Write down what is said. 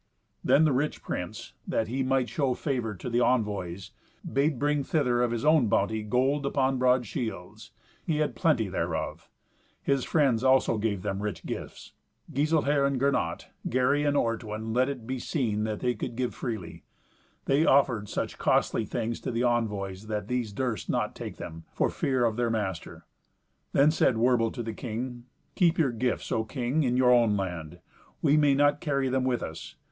Then the rich prince, that he might show favour to the envoys, bade bring thither of his own bounty gold upon broad shields. He had plenty thereof. His friends also gave them rich gifts. Giselher and Gernot, Gary and Ortwin, let it be seen that they could give freely. They offered such costly things to the envoys that these durst not take them, for fear of their master. Then said Werbel to the king, "Keep your gifts, O king, in your own land. We may not carry them with us.